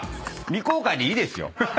未公開でいいですよ。